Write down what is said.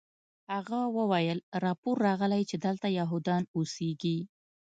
هغه وویل راپور راغلی چې دلته یهودان اوسیږي